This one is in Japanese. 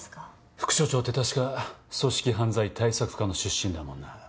副署長って確か組織犯罪対策課の出身だもんな。